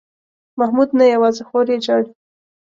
محمود نه یوازې خور یې ژاړي.